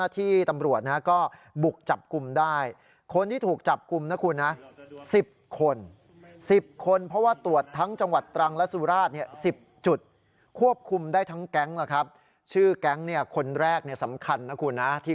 ทีนี้ครับเจ้าหน้าที่